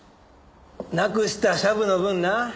なくしたシャブの分な